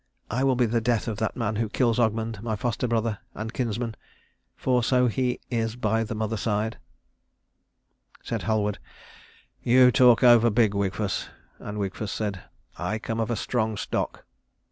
I will be the death of that man who kills Ogmund, my foster brother, and kinsman for so he is by the mother side." Said Halward, "You talk over big, Wigfus," and Wigfus said, "I come of a strong stock."